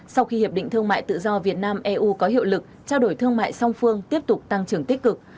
sau khi hiệp định thương mại tự do việt nam eu có hiệu lực trao đổi thương mại song phương tiếp tục tăng trưởng tích cực